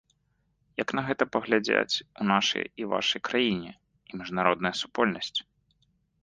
Як на гэта паглядзяць у нашай і вашай краіне, і міжнародная супольнасць?